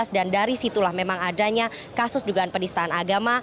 dan dari situlah memang adanya kasus dugaan penistaan agama